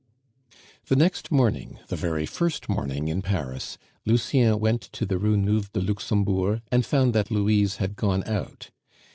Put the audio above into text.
The next morning, the very first morning in Paris, Lucien went to the Rue Nueve de Luxembourg and found that Louise had gone out.